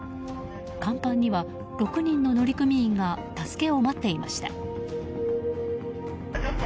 甲板には６人の乗組員が助けを待っていました。